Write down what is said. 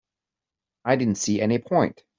I didn't see any point.